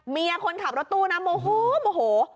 เมียคนขับรถตู้น้ำโมโฮโมโฮ